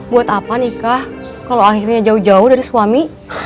buat apa nikah kalau akhirnya jauh jauh dari suami